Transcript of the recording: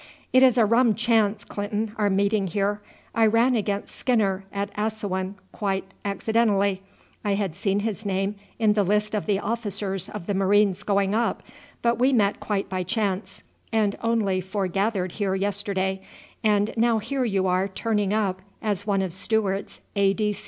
"It is a rum chance, Clinton, our meeting here. I ran against Skinner at Assouan quite accidentally. I had seen his name in the list of the officers of the Marines going up; but we met quite by chance, and only forgathered here yesterday, and now here you are turning up as one of Stewart's A.